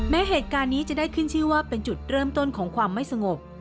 เหตุการณ์นี้จะได้ขึ้นชื่อว่าเป็นจุดเริ่มต้นของความไม่สงบ